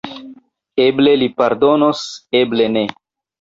Eble li pardonos, eble ne.